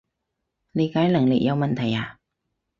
理解能力有問題呀？